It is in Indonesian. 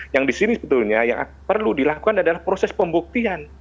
yang disini sebetulnya yang perlu dilakukan adalah proses pembukaan